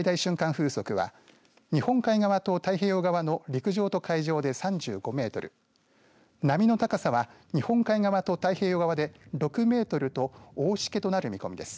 風速は日本海側と太平洋側の陸上と海上で３５メートル波の高さは日本海側と太平洋側で６メートルと大しけとなる見込みです。